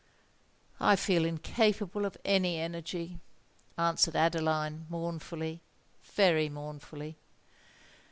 "I feel incapable of any energy," answered Adeline, mournfully—very mournfully.